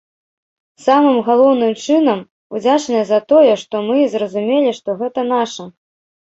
Самым галоўным чынам, удзячныя за тое, што мы зразумелі, што гэта наша.